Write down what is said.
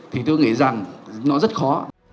thì tôi nghĩ rằng nó rất khó